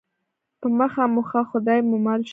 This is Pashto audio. په مخه مو ښه خدای مو مل شه